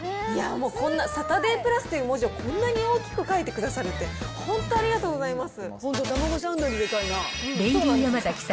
もうこんな、サタデープラスという文字をこんなに大きく書いてくださるって、本当ありがとうございます。